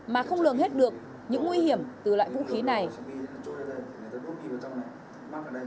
mà không lường hết được những nguy hiểm từ loại vũ khí này